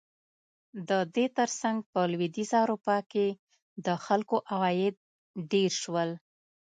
د دې ترڅنګ په لوېدیځه اروپا کې د خلکو عواید ډېر شول.